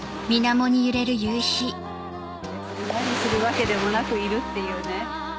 別に何するわけでもなくいるっていうね。